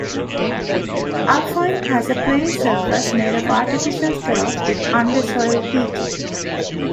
Alfheim has a playing surface made of artificial turf with under-soil heating.